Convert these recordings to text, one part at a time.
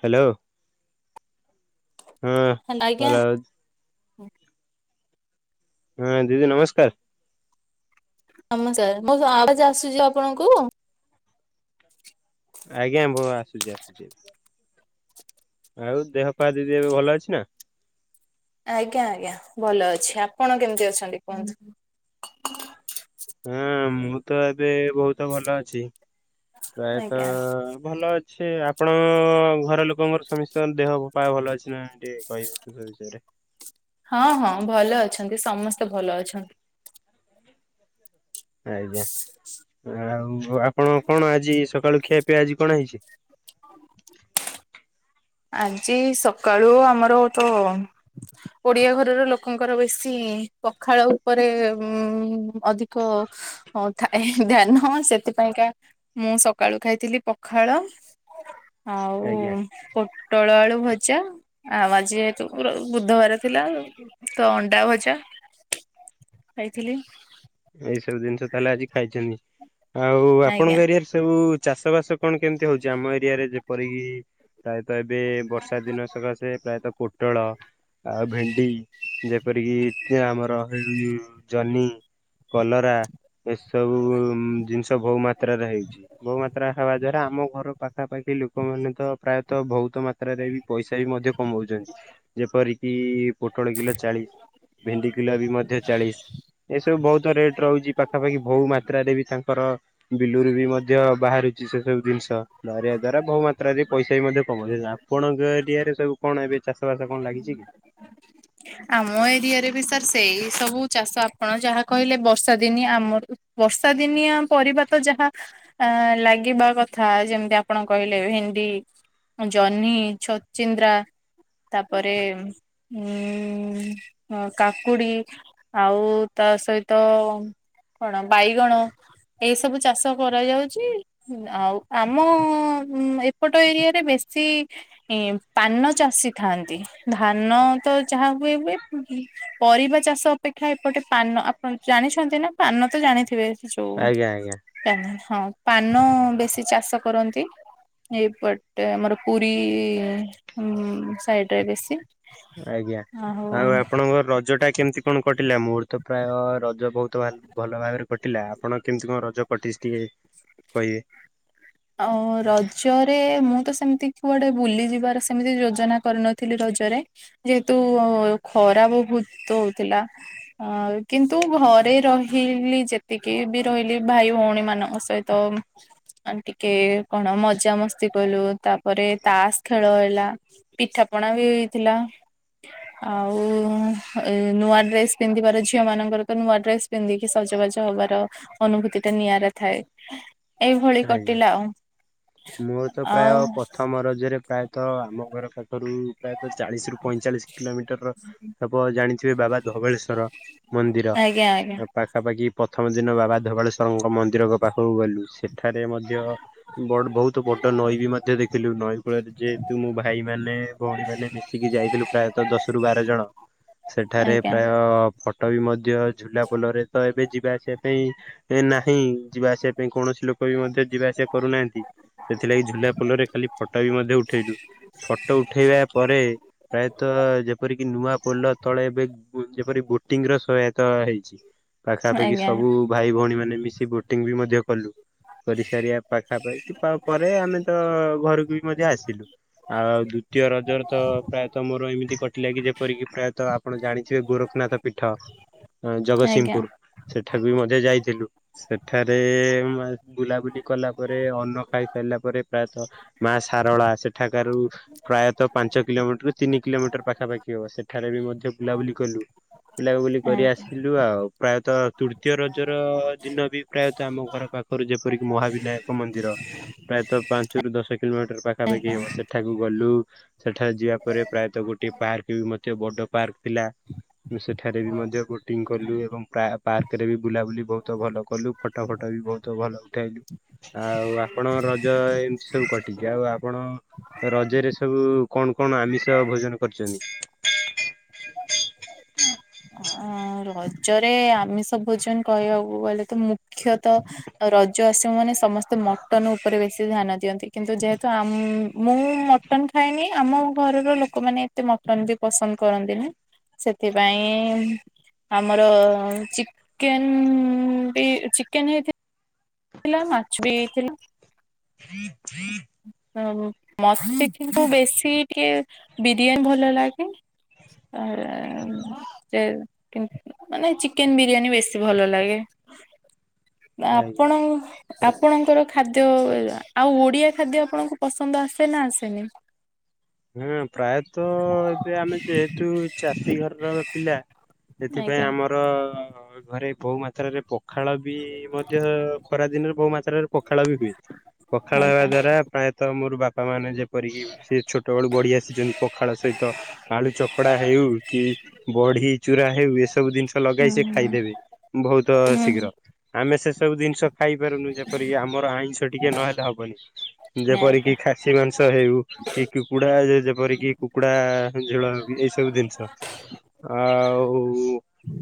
Hello. ହଁ hello. ହଁ। ହଁ ଦିଦି ନମସ୍କାର। ନମସ୍କାର ମୋ ଆବାଜ [inaudible] ଆସୁଚି ଆପଣଙ୍କୁ? ଆଜ୍ଞା ଭୋ ଆସୁଚି ଆସୁଚି। ଆଉ ଦେହ ଫା ଦିଦି ଏବେ ଭଲ ଅଛି ନା? ଆଜ୍ଞା ଆଜ୍ଞା ଭଲ ଅଛି ଆପଣ କେମିତି ଅଛନ୍ତି କୁହନ୍ତୁ? ହଁ ମୁଁ ତ ଏବେ ବୋହୁତ ଭଲ ଅଛି। ପ୍ରାୟତଃ ଆଜ୍ଞା। ଭଲ ଅ ସେ ଆପଣ ଘର ଲୋକଙ୍କର ସମସ୍ତଙ୍କ ଦେହପା ଭଲ ଅଛି ନା ଟିକେ କହିବେ ସେ ବିଷୟରେ? ହୁଁ [inaudible] ହଁ ହଁ ଭଲ ଅଛନ୍ତି ସମସ୍ତେ ଭଲ ଅଛନ୍ତି। ଆଜ୍ଞା। ଆଉ ଆପଣ କଣ ଆଜି ସକାଳୁ ଖିଆ ପିଇଆ ଆଜି କଣ ହେଇଚି? ଆଜି ସକାଳୁ ଆମର ତ ଓଡିଆ ଘରର ଲୋକଙ୍କର ବେଶୀ ପଖାଳ ଉପରେ ଅଧିକ ଥାଏ ଧ୍ୟାନ ସେଥ ସେଥିପାଇଁକା ମୁଁ ସକାଳୁ ଖାଇଥିଲି ପଖାଳ ହ [inaudible] ଆଉ ପୋଟଳ ଆଳୁ ଭଜା ଆଉ ଆଜି ଯେହେତୁ ପୁର ବୁଧବାର ଥିଲା ତ ଅଣ୍ଡା ଭଜା ଖାଇଥିଲି! ଏଇ ସବୁ ଜିନିଷ ତାହେଲେ ଆଜି ଖାଇଛନ୍ତି, ଆଉ ଆଜ୍ଞା। ଆପଣଙ୍କ ଏରିଆରେ ସବୁ ଚାଷ ବାସ କଣ କେମତି ହଉଛି ଆମ ଏରିଆରେ ଯେପରିକି, ପ୍ରାୟତଃ ଏବେ ବର୍ଷା ଦିନ ସକାଶେ ପ୍ରାୟତଃ ପୋଟଳ ଆଉ ଭେଣ୍ଡି ଯେପରିକି ଆମର ଜହ୍ନି କଲରା ଏସବୁ ଜିନିଷ ବହୁ ମାତ୍ରାରେ ହେଇଛି, ବହୁ ମାତ୍ରା ହବା ଦ୍ଵାରା ଆମ ଘର ପାଖାପାଖି ଲୋକମାନେ ତ ପ୍ରାୟତଃ ବହୁତ ମାତ୍ରା ମାତ୍ରରେ ବି ପଇସା ବି ମଧ୍ୟ କମଉଛନ୍ତି ଯେପରିକି ପୋଟଳ କିଲୋ ଚାଳିଶ ଭେଣ୍ଡି କିଲୋ ବି ମଧ୍ୟ ଚାଳିଶ! ଏସବୁ ବହୁତ ରେଟ ରହୁଛି, ପାଖାପାଖି ବହୁ ମାତ୍ରାରେ ବି ତାଙ୍କର ବିଲୁରୁ ବି ମଧ୍ୟ ବାହାରୁଛି ସେ ସବୁ ଜିନିଷ ନରିବା ଦ୍ଵାରା ବହୁ, ମାତ୍ରାରେ ପଇସା ବି ମଧ୍ୟ କମାଉ ଆପଣଙ୍କ ଏରିଆରେ ସବୁ କଣ ଏବେ ଚାଷ ଚାଷ ବାସ କଣ ଲାଗିଛି କି? ଆମ ଏରିଆରେ ବି ସାର୍ ସେଇ ସବୁ ଚାଷ ଆପଣ ଯାହା କହିଲେ, ବର୍ଷା ଦିନିଆ ଆମର ବର୍ଷା ଦିନିଆ ପରିବା ତ ଯାହା ଆ ଲାଗିବା କଥା ଯେମିତି ଆପଣ କହିଲେ ହିଡି ଜହ୍ନି ଛଚିନ୍ଦ୍ରା ତାପରେ ଉ ଉ କାକୁଡି ଆଉ ତା ସହିତ କଣ ବାଇଗଣ ଏଇ ସବୁ ଚାଷ କରାଯାଉଛି ଆଉ ଆମ ଉ ଏପଟ ଏରିଆରେ ବେଶୀ ପାନ ଚାଷୀ ଥାନ୍ତି ଧାନ ତ ଯାହା ହୁଏ ହୁଏ ପରିବା ଚାଷ ଅପେକ୍ଷା ଏପଟେ ପାନପ ଜାଣିଛନ୍ତି ନା ପାନ ତ ଜାଣିଥିବେ ଯୋଉ ଆଜ୍ଞା ଆଜ୍ଞା ହଁ ପାନ ବେଶୀ ଚାଷ କରନ୍ତି। ଏପଟେ ଆମର ପୁରୀ ସାଇଡରେ ବେଶୀ ଆଜ୍ଞା ଆଉ ଆପଣଙ୍କ ରଜ ଟା କେମତି କଣ କଟିଲା ମୋର ତ ପ୍ରାୟ ରଜ ବହୁତ ଭଲ ଭାବରେ କଟିଲା ଆପଣ କେମିତି କଣ ରଜ କଟିଛି ଟିକେ କହିବେ? ଆ ରଜରେ ମୁଁ ତ ସେମିତି କୁଆଡେ ବୁଲିଯିବାର ସେମିତି ଯୋଜନା କରିନଥିଲି ରଜ ରେ ଜେହେତୁ ଖରା ବହୁତ୍ ହଉଥିଲା କିନ୍ତୁ ଘରେ ରହିଲି ଯେତିକି ବି ରହିଲି ଭାଇ ଭଉଣୀ ମାନଙ୍କ ସହିତ ଆଣ୍ଟି କେ କଣ ମଜା ମସ୍ତି କଲୁ ତାପରେ ତାସ ଖେଳ ହେଲା ପିଠା ପଣା ବି ଦେଇଥିଲା। ଆଉ ନୂଆ ଡ୍ରେସ ପିନ୍ଧିବାର ଝିଅ ମାନଙ୍କର ତ ନୂଆ ଡ୍ରେସ ପିନ୍ଧିକି ଜବାଜ ହବାର ଅନୁଭୂତି ଟା ନିଆରା ଥାଏ ଏଇଭଳି ଆଜ୍ଞା। କଟିଲା ଆଉ। ମୋର ତ ଆଉ ପ୍ରାୟ ପ୍ରଥମର ରଜ ପ୍ରାୟତଃ ଆମ ଘର ପାଖରୁ ପ୍ରାୟତଃ ଚାଳିଶ ରୁ ପଇଁଚାଳିଶ କିଲୋମିଟର ହବ ଜାଣି ବାବା ଧବଳେଶ୍ଵର ମନ୍ଦିର ଆଜ୍ଞା ଆଜ୍ଞା ପାଖାପାଖି ପ୍ରଥମ ଦିନ ବାବା ଧବାଳେଶ୍ୱରଙ୍କ ମନ୍ଦିର ପାଖକୁ ଗଲୁ ସେ ଏଠାରେ ମଧ୍ୟ ବ ବହୁତ ବଡ ନଈ ବି ମଧ୍ୟ ଦେଖିଲୁ ନଈ କୂଳରେ ଯେହେତୁ ମୋ ଭାଇମାନେ ନେ ଭଉଣୀ ମାନେ ମିଶିକି ଯାଇଥିଲୁ ପ୍ରାୟତଃ ଦଶ ର ବାର ଜଣ ସେଠାରେ ଆଜ୍ଞା ପ୍ରାୟଟ ଟ ବି ମଧ୍ୟ ଝୁଲା ପୋଲରେ ତ ଏବେ ଯିବା ଆସିବା ପାଇଁ ଏ ନାହିଁ ଯିବା ଆସିବା ପାଇଁ କୌଣସି ଲୋକ ମଧ୍ୟ ଯିବା ଆସିବା କରୁନାହାନ୍ତି ସେଥିଲାଗି ଝୁଲା ପୁଲରେ ଖାଲି ଫଟୋ ବି ମଧ୍ୟ ଉଠେଇଛୁ ଫଟୋ ଉଠେଇବା ପରେ ପ୍ରାୟତଃ ଯେପରିକି ନୂଆ ପୋଲ ତଳେ ଏବେ ଯେପରି ବୋଟିଂ ର ସହାୟତା ହେଇଛି। ପାଖାପାଖି ଆଜ୍ଞା ସବୁ ଭାଇ ଭଉଣୀ ମାନେ ମିଶି ବୋଟିଂ ବି ମଧ୍ୟ କଲୁ କରିସାରିବା ପାଖାପାଖି ପରେ ଆମେ ତ ଘରକୁ ବି ମଧ୍ୟ ଆସିଲୁ ଆଉ ଦ୍ଵିତୀୟ ରଜର ତ ପ୍ରାୟତଃ ମୋର ଏମିତି କଟିଲା କି! ଯେପରିକି ପ୍ରାୟତଃ ଆପଣ ଜାଣିଥିବେ ଗୋରଖ ନା ତ ପିଠ ଆଜ୍ଞା ଜଗତସିଂହପୁର ସେଠାକୁ ବି ମଧ୍ୟ ଯାଇଥିଲୁ, ସେଠାରେ ବୁଲାବୁଲି କଲା ପରେ ଅନ୍ନ ଖାଇସାରିଲା, ପରେ ପ୍ରାୟତଃ ମା ସାରଳା ସେଠାକାରାରୁ ପ୍ରାୟତଃ ପାଞ୍ଚ କିଲୋମିଟର ତିନି କିଲୋମିଟର ପାଖାପାଖି ହବ ସେଠାରେ ବି ମଧ୍ୟ ବୁଲାବୁଲି କଲୁ ବୁଲାବୁଲି କରି ଆଜ୍ଞା ଆସିଲୁ ଆଉ ପ୍ରାୟତଃ ତୃତୀୟ ରଜର ଦିନ ବି ପ୍ରାୟତଃ ଆମ ଘର ପାଖକୁ ଯେପରିକି ମହାବିନାୟକ ମନ୍ଦିର ପ୍ରାୟତଃ ପାଞ୍ଚରୁ ଦଶ କିଲୋମିଟର ପାଖାପାଖି ଆଜ୍ଞା ହବ ସେଠାକୁ ଗଲୁ ସେଠାରେ ଯିବା ପରେ ପ୍ରାୟତଃ ଗୋଟେ ପାର୍କ ବି ମଧ୍ୟ ବଡ ପାର୍କ ଥିଲା ସେଠାରେ ବି ମଧ୍ୟ ବୋଟିଂ କଲୁ ଏବଂ ପାର୍କରେ ବି ବୁଲାବୁଲି ବହୁତ ଭଲ କଲୁ ଫଟୋ ଫଟୋ ବି ବହୁତ ତ ଭଲ ଉଠେଇଲୁ ଆଉ ଆପଣ ରଜ ଏମିତି ସବୁ କଟିଛି ଆଉ ଆପଣ ରଜରେ ସବୁ କଣ କଣ ଆମିଷ ଭୋଜନ କରିଛନ୍ତି? ଅ [unintelligible] ରଜରେ ଆମିଷ ଭୋଜନ କହିବାକୁ ଗଲେ ତ ମୁଖ୍ୟତଃ ରଜ ଆସିବ ମାନେ ସମସ୍ତେ ମଟନ୍ ଉପରେ ବେଶୀ ଧ୍ୟାନ ଦିଅନ୍ତି କିନ୍ତୁ ଯେହେତୁ ମୁଁ ମଟନ ଖାଏନି ଆମ ମୋ ଘରର ଲୋକମାନେ ଏତେ ମଟନ ବି ପସନ୍ଦ କରନ୍ତିନି ସେଥିପାଇଁ ଆମର ଚିକେନ ବି ଚିକେନ ହେଇଥି ଥିଲା ମାଛ ବି ହେଇଥିଲା ମୋତେ କିନ୍ତୁ ବେଶୀ ଟିକେ ବିରିୟାନୀ ଭଲ ଲାଗେ ଆ ଏ ମାନେ ଚିକେନ ବିରିୟାନୀ ବେଶୀ ଭଲ ଲାଗେ [inaudible] ଆଜ୍ଞା। ଆପଣ ଆପଣଙ୍କର ଖାଦ୍ୟ ଆଉ ଓଡିଆ ଖାଦ୍ୟ ଆପଣଙ୍କୁ ପସନ୍ଦ ଆସେ ନା ଆସେନି? ହଁ ପ୍ରାୟତଃ ଏବେ ଆମେ ଯେହେତୁ ଚାଷୀ ଘରର ପିଲା ସେଥିପାଇଁ ଆଜ୍ଞା ଆମର ଘରେ ବହୁ ମାତ୍ରାରେ ପଖାଳ ବି ମଧ୍ୟ ଖରା ଦିନରେ ବହୁ ମାତ୍ର ଥରେ ପଖାଳ ବି ହୁଏ ପଖାଳ ହେବା ଆଜ୍ଞା ଦ୍ଵାରା ପ୍ରାୟତଃ ମୋର ବାପା ମାନେ ଯେପରିକି ସେ ଛୋଟ ସେବେଳୁ ବଢି ଆସିଛନ୍ତି ପଖାଳ ସହିତ ଆଳୁ ଚକଡା ହେଉ କି ବଢି ଚୁରା ହେଉ ସେସବୁ ଜିନିଷ ହୁଁ ଲଗାଇ ସେ ଖାଇଦେବେ ବହୁତ ହୁଁ ଶୀଘ୍ର ଆମେ ସେସବୁ ଜିନିଷ ଖାଇପାରୁନୁ ଯେପରିକି ଆମର ଆଇଁଷ ଟିକେ ନହେଲେ ହବନି ଆଜ୍ଞା ଯେପରିକି ଖାସି ମାଂସ ହେଉ କି କୁକୁଡ଼ା ଯେପରିକି କୁକୁଡ଼ା ଝୋଳ ବି ଏଇ ସବୁ ଜିନିଷ ଆଉ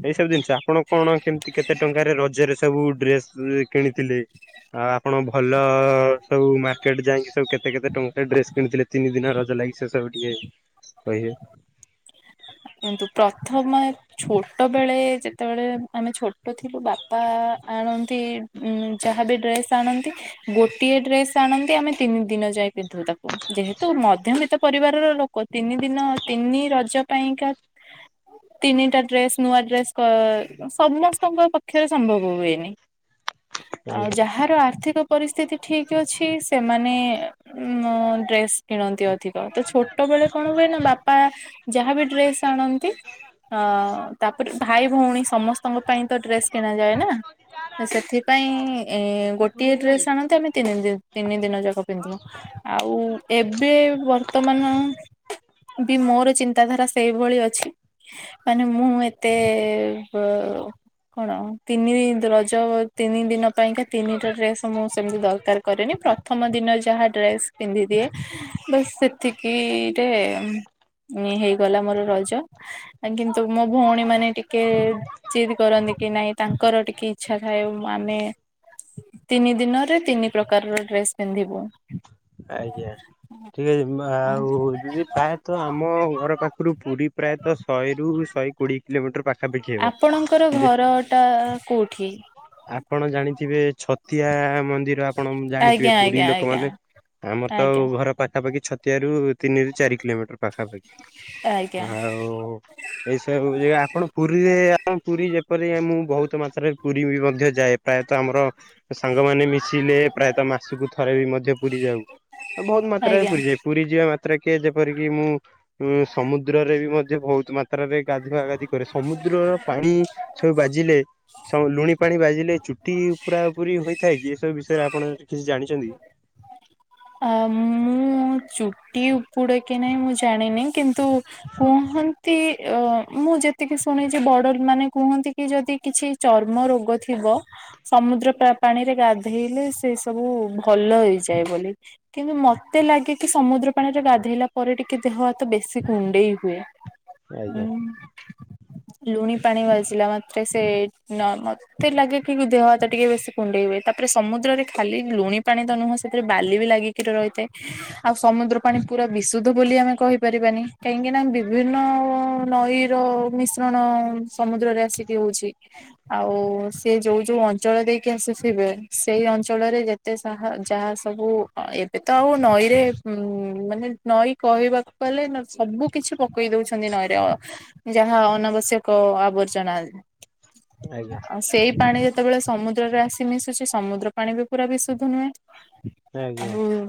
ଏଇ ସବୁ ଜିନିଷ ଆପଣ କଣ କେମିତି କେତେ ଟଙ୍କାରେ ରଜରେ ସବୁ ଡ୍ରେସ କିଣିଥିଲେ? ଆଉ ଆପଣ ଭଲ ସବୁ ମାର୍କେଟ ଯାଇକି ସବୁ କେତେ କେତେ ଟଙ୍କା ଡ୍ରେସ କିଣିଥିଲେ? ତିନି ଦିନ ରଜ ଲାଗି ସେ ସବୁ ଟିକେ କହିବେ [unintelligible] ପ୍ରଥମେ ଛୋଟ ବେଳେ ଯେତେବେଳେ ଆମେ ଛୋଟ ଥିଲୁ ବାପା ଆଣନ୍ତି ଯାହାବି ଡ୍ରେସ୍ ଆଣନ୍ତି ଗୋଟିଏ ଡ୍ରେସ୍ ଆଣନ୍ତି ଆମେ ତିନି ଦିନ ଯାଇ ପିନ୍ଧୁ ତାକୁ ଯେହେତୁ ମ ମଧ୍ୟବିତ ପରିବାରର ଲୋକ ତିନି ଦିନ ତିନି ରଜ ପାଇଁକା ତିନିଟା ଡ୍ରେସ ନୂଆ ଡ୍ରେସ କ ସମସ୍ତଙ୍କ ପକ୍ଷରେ ସମ୍ଭବ ହୁଏନି [inaudible] ଆଉ ଆଜ୍ଞା ଯାହାର ଆର୍ଥିକ ପରିସ୍ଥିତି ଠିକ୍ ଅଛି ସେମାନେ ଉଁ ଡ୍ରେସ୍ କିଣନ୍ତି ଅଧି [unintelligible] ଛୋଟ ବେଳେ କଣ ହୁଏ ନା ବାପା ଯାହାବି ଡ୍ରେସ ଆଣନ୍ତି ହଁ ତାପରେ ଭାଇ ଭଉଣୀ ସମସ୍ତେ ଙ୍କ ପାଇଁ ତ ଡ୍ରେସ୍ କିଣ ଯାଏ ନା ସେଥିପାଇଁ ଏ ଗୋଟିଏ ଡ୍ରେସ ଆଣନ୍ତି ଆମେ ତିନି ଦିନ ତିନି ଦିନ ଯାକ ପିନ୍ଧିବୁ ଆଉ ଏବେ ବର୍ତ୍ତମାନ ବି ମୋର ଚିନ୍ତାଧାରା ସେଇଭଳି ଅଛି ମାନେ ମୁଁ ଏତେ ବ କଣ ତିନି ରଜ ତିନି ଦିନ ପାଇଁକା ତିନିଟା ଡ୍ରେସ୍ ମୁଁ ସେମିତି ଦରକାର କରେନି ପ୍ରଥମ ଦିନରେ ଯାହା ଡ୍ରେସ ପିନ୍ଧିଦିଏ ବାସ ସେତିକି ରେ ହେଇଗଲା ମୋର ରଜ କିନ୍ତୁ ମୋ ଭଉଣୀ ମାନେ ଟିକେ ଜିଦ୍ କରନ୍ତି କି ନାଇଁ ତାଙ୍କର ଟିକେ ଇଚ୍ଛା ଥାଏ ମାନେ ତିନି ଦିନରେ ତିନି ପ୍ରକାରର ଡ୍ରେସ ପିନ୍ଧିବୁ ଆଜ୍ଞା ଠିକ ଅଛି ମ ଆଉ ଦିଦି ପ୍ରାୟତଃ ଆମ ଘର ପା ପାଖରୁ ପୁରୀ ପ୍ରାୟତଃ ଶହେରୁ ଶହେ କୋଡିଏ କିଲୋମିଟର ପା ଆପଣଙ୍କର ଘର ଟା କୋଉଠି? ଆପଣ ଜାଣିଥିବେ ଛତିଆ ମନ୍ଦିର ଆପଣ ଆଜ୍ଞା ଜାଣିଥିବେ ଆଜ୍ଞା ପୁରୀ ଆଜ୍ଞା ଲୋକମାନେ। ଆମର ତ ଆଜ୍ଞା ଘର ପାଖାପାଖି ଛତିଆରୁ ତିନି ରୁ ଚାରି କିଲୋମିଟର ପାଖାପାଖି। ଆଜ୍ଞା। ଆଉ ଏଇସବୁ ଜାଗା ଆପଣ ପୁରୀରେ ଆ ପୁରୀ ଯେପରିିକ ମୁଁ ବହୁତ ମାତ୍ରାରେ ପୁରୀ ବି ମଧ୍ୟ ଯାଏ ପ୍ରାୟତଃ ଆମର ସାଙ୍ଗମାନେ ମିଶିଲେ ପ୍ରାୟତଃ ମାସକୁ ଥରେ ବି ମଧ୍ୟ ପୁରୀ ଯାଉ ବହୁତ ମାତ୍ରାରେ ଆଜ୍ଞା ପୁରୀ ଯାଏ ପୁରୀ ଯିବା ମାତ୍ରା କିଏ ଯେପରିକି ମୁଁ ଉଁ ସମୁଦ୍ରରେ ବି ମଧ୍ୟ ବହୁତ ମାତ୍ରାରେ ଗା ଗାଧୁଆଗାଧି କରେ ସମୁଦ୍ରର ପାଣି ସବୁ ବାଜିଲେ ସ ଲୁଣି ପାଣି ବାଜିଲେ ଚୁ ଉପୁରା ଉପୁରି ହୋଇଥାଏ କି ଏସବୁ ବିଷୟରେ ଆପଣ କିଛି ଜାଣିଛନ୍ତି? ଆ ମୁଁ ଚୁଟି ଉପୁଡେ କି ନାହିଁ ମୁଁ ଜାଣିନି କିନ୍ତୁ କୁ କୁହନ୍ତି ଅ ମୁଁ ଯେତିକି ଶୁଣିଛି ବଡ ମାନେ କୁହନ୍ତି କି ଯଦି କିଛି ଚର୍ମ ରୋଗ ଥିବ ସମୁଦ୍ର ପା-ପାଣିରେ ଗାଧେଇଲେ ସେ ସବୁ ଭଲ ହେଇଯାଏ ବୋଲି। କିନ୍ତୁ ମତେ ଲାଗେ କି ସମୁଦ୍ର ପାଣିରେ ଗାଧେଇଲା ପରେ ଟିକେ ଦେହ ହାତ ବେଶୀ କୁଣ୍ଡେଇ ହୁଏ। ଉଁ ଆଜ୍ଞା। ଲୁଣି ପାଣି ବାଜିଲା ମାତ୍ରେ ସେ ନ ମତେ ଲାଗେ କି ଦେହ ହାତ ଟିକେ ବେଶୀ କୁଣ୍ଡେଇ ହୁଏ ତାପରେ ସମୁଦ୍ରରେ ଖାଲି ଲୁଣି ପାଣି ତ ନୁହେଁ ସେଥିରେ ବାଲି ଲାଗିକି ରହିଥାଏ ଆଉ ସମୁଦ୍ର ପାଣି ପୁରା ବିଶୁଦ୍ଧ ବୋଲି ଆମେ କହିପାରିବାନି କାହିଁକିନା ବି ବିଭିନ୍ନ ନଈର ମିଶ୍ରଣ ସମୁଦ୍ରରେ ଆସି ହଉଛି ଆଉ ସିଏ ଯୋଉ ଯୋଉ ଅଞ୍ଚଳ ଦେଇକି ଆସିଥିବେ ସେଇ ଅ ଅଞ୍ଚଳରେ ଯେତେ ସାହା ଯାହା ସବୁ ହଁ ଏବେ ତ ଆଉ ନଈରେ ଉଁ ମାନେ ନଈ କହିବାକୁ ଗଲେ ନ ସବୁ କିଛି ପକେଇ ଦଉଛନ୍ତି ନଈରେ ଅ ଯାହା ଅନାବଶ୍ୟକ ଆବର୍ଜନା। ଆଜ୍ଞା ଆଉ ସେଇ ପାଣିରେ ଯେତେବେଳେ ସମୁଦ୍ରରେ ଆସି ମିଶୁଛି ସମୁଦ୍ର ପାଣି ବି ପୁରା ବିଶୁଦ୍ଧ ନୁହେଁ। ଆଜ୍ଞା ଆଉ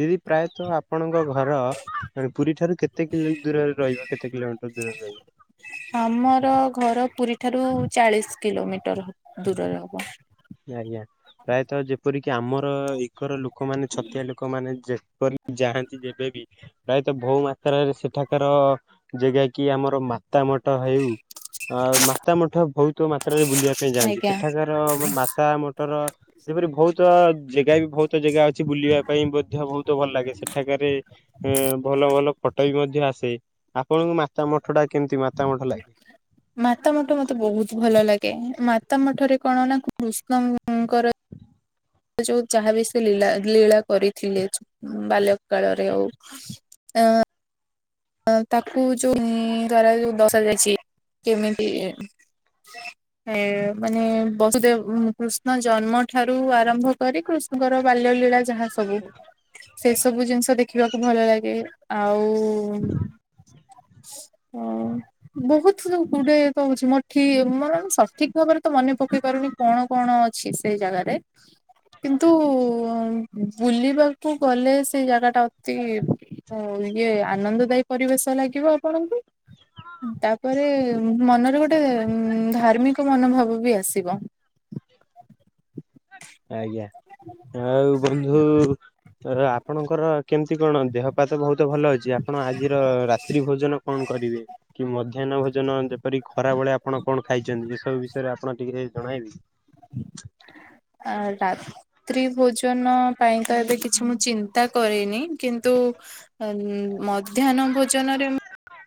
ଦିଦି ପ୍ରାୟତଃ ଆପଣଙ୍କ ଘର ପୁରୀ ଠାରୁ କେତେ କିଲୋ ଦୂରରେ ରହିବ। କେତେ କିଲୋମିଟର ଦୂରରେ ରହିବ? ଆମର ଘର ପୁରୀ। ଏଠାରୁ ଚାଳିଶ କିଲୋମିଟର ଦୂରରେ ହବ। ଆଜ୍ଞା ପ୍ରାୟତଃ ଯେପରିକି ଆମର ଇକର ଲୋକମାନେ ଛତିଆ ଲୋକ ମାନେ ଯେ କରି ଯାଆନ୍ତି ଯେବେବି ପ୍ରାୟତଃ ବହୁ ମାତ୍ରାରେ ସେଠାକାର ଜାଗା କି ଆମର ମା ତା ମଟ ହେଉ। ଆ ମାତା ମଠ ବହୁତ ମାତ୍ରାରେ ବୁଲିବା ପାଇଁ ଯାଆନ୍ତି ଆଜ୍ଞା। ସେଠାକାର ମା ତା ମଠର ସେପରି ବହୁତ ଜାଗା ବି ବହୁତ ଜାଗା ଅ ଅଛି ବୁଲିବା ପାଇଁ ମଧ୍ୟ ବହୁତ ଭଲ ଲାଗେ ସେଠାକାରେ ଏ ଭଲ ଭଲ ଫଟୋ ବି ମଧ୍ୟ ଆସେ। ଆପଣଙ୍କୁ ମାତା ମଠଟା କେମିତି ମାତା ମଠ ଲାଗେ? ମାତା ମଠ ମତେ ବହୁତ ଭଲ ଲାଗେ ମାତା ମଠରେ କଣ ନା କୃଷ୍ଣଙ୍କ ଯୋଉ ଯାହା ବି ସେ ଲୀଳା ଲୀଳା କରିଥିଲେ ଉଁ ବାଲ୍ୟ କାଳରେ ହଉ। ଆଃ ତାକୁ ଯୋଉ [unintelligible] ଦ୍ଵାରା ଯୋଉ ଦର୍ଶ ଯାଇଛି କେମିତି? ଏ ମାନେ ବସୁଦେବ କୃଷ୍ଣ ଜନ୍ମ ଠାରୁ ଆରମ୍ଭ କରି କୃଷ୍ ଙ୍କର ବାଲ୍ୟ ଲୀଳା ଯାହା ସବୁ ସେ ସବୁ ଜିନିଷ ଦେଖିବାକୁ ଭଲ ଲାଗେ ଆଉ ଏ ଓ ବହୁତ ଗୁଡ଼େ କହୁଛି ମୋ ଠି ମୋର ସଠିକ ଭାବରେ ତ ମନେ ପକେଇ ପାରୁନି କଣ କଣ ଅଛି ସେଇ ଜାଗାରେ? କିନ୍ତୁ ଉ ବୁଲିବାକୁ ଗଲେ ସେଇ ଜାଗା ଟା ଅତି ଉଁ ଇଏ ଆନନ୍ଦଦାୟୀ ପରିବେଶ ଲାଗିବ ଆପଣଙ୍କୁ। ତାପରେ ମନରେ ଗୋଟେ ଧାର୍ମିକ ମନୋଭାବ ବି ଆସିବ। ଆଜ୍ଞା। ଆଉ ବନ୍ଧୁ ଆପଣଙ୍କର କେମିତି କଣ ଦେହପାବହୁତ ଭଲ ଅଛି। ଆପଣ ଆଜିର ରାତ୍ରି ଭୋଜନ କଣ କରିବେ? କି ମଧ୍ୟାହ୍ନ ଭୋଜନ ଯେପରି ଖରା ବେଳେ ଆପଣ କଣ ଖାଇଛନ୍ତି? ଏସବୁ ବିଷୟରେ ଆପଣ ଟିକେ ଜଣାଇବେ। [inaudible] ଆ ରାତ୍ରି ଭୋଜନ ପାଇଁ ତ ଏବେ କିଛି ମୁଁ ଚିନ୍ତା କରିନି। କିନ୍ତୁ ତୁ ଉ ମଧ୍ୟହ୍ନ ଭୋଜନରେ